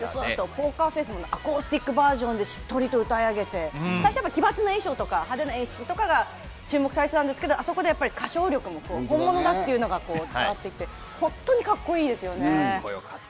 『ＰｏｋｅｒＦａｃｅ』もアコースティックバージョンで、しっとり歌い上げて、最初奇抜な衣装とか派手な演出が注目されてたんですけど、あそこで歌唱力も本物だって伝わってきて、本当にカッコいいですよね。